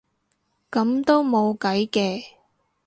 噉都冇計嘅